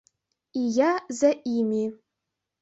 І я за імі.